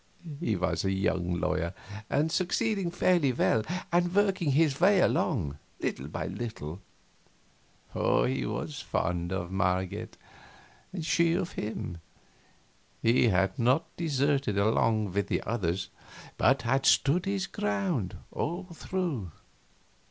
He was a young lawyer, and succeeding fairly well and working his way along, little by little. He was very fond of Marget, and she of him. He had not deserted along with the others, but had stood his ground all through.